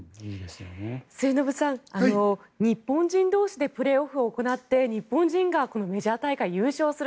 末延さん日本人同士でプレーオフを行って日本人がメジャー大会優勝する。